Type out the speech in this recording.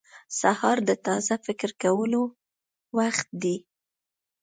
• سهار د تازه فکر کولو وخت دی.